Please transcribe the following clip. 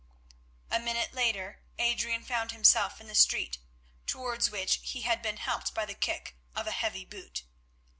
A minute later Adrian found himself in the street, towards which he had been helped by the kick of a heavy boot.